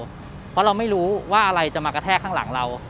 เพราะเราไม่รู้ว่าอะไรจะมากระแทกข้างหลังเรา